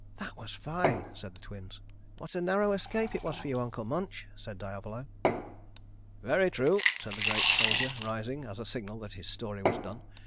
"That was fine," said the Twins. "What a narrow escape it was for you, Uncle Munch," said Diavolo. "Very true," said the great soldier rising, as a signal that his story was done.